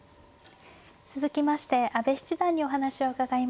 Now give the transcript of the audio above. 続きまして阿部七段にお話を伺います。